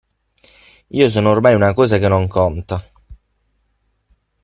Io sono ormai una cosa che non conta.